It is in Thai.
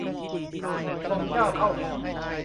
ทรงเจ้าเข้าผี